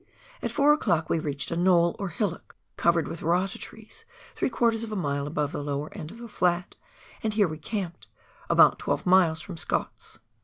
At 4 o'clock we reached a knoll, or hillock, covered with rata trees three quarters of a mile above the lower end of the flat, and here we camped — about twelve miles from Scott's.